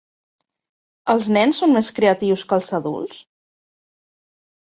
Els nens són més creatius que els adults?